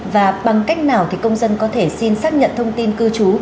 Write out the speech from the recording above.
và bằng cách nào thì công dân có thể xin xác nhận thông tin cư trú